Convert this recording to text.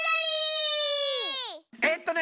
えっとね